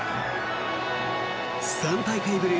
３大会ぶり